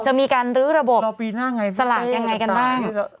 จะมีการลื้อระบบรอปีหน้าไงบ้างสลากยังไงกันบ้าง